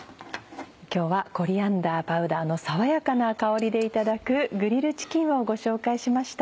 今日はコリアンダーパウダーの爽やかな香りでいただくグリルチキンをご紹介しました。